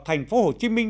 thành phố hồ chí minh